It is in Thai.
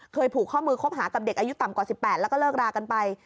ผูกข้อมือคบหากับเด็กอายุต่ำกว่า๑๘แล้วก็เลิกรากันไป